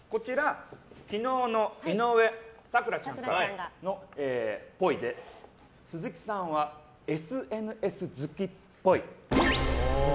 昨日の井上咲楽ちゃんからのっぽいで鈴木さんはＳＮＳ好きっぽい。